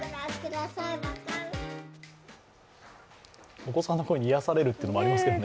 お子さんの声に癒やされるというのもありますよね。